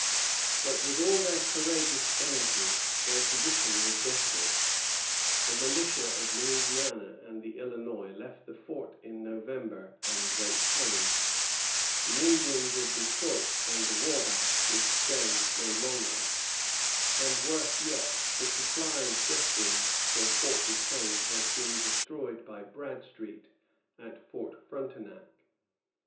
But, with all their courageous energy, their position was desperate. The militia of Louisiana and the Illinois left the fort in November and went home; the Indians of Detroit and the Wabash would stay no longer; and, worse yet, the supplies destined for Fort Duquesne had been destroyed by Bradstreet at Fort Frontenac.